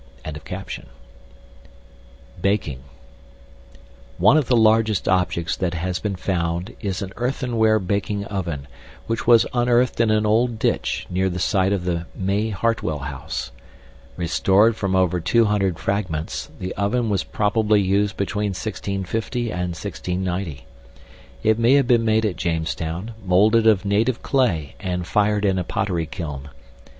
] BAKING One of the largest objects that has been found is an earthenware baking oven, which was unearthed in an old ditch near the site of the May Hartwell House. Restored from over 200 fragments, the oven was probably used between 1650 and 1690. It may have been made at Jamestown, molded of native clay and fired in a pottery kiln.